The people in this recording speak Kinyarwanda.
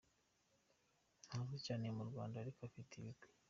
Ntazwi cyane mu Rwanda, ariko afite ibigwi.